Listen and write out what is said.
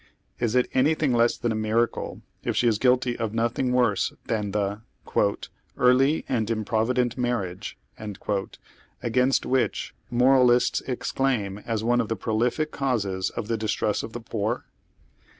Is it anything less than a miracle i£ she is guilty of nothing worse than the "early and improvident marriage," against which moralists exclaim as one of the proliiie canses of the distress of the poor?